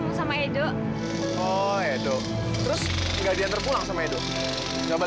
udah nggak apa apa komil